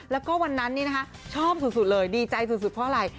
แล้วก็วันนั้นชอบสุดเลยดีใจสุดเพราะอะไร